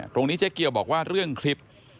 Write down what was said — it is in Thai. ตรงนี้เจ๊เกี่ยวบอกว่าเรื่องคลิป